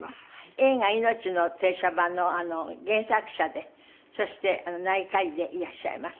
映画『いのちの停車場』の原作者でそして内科医でいらっしゃいます。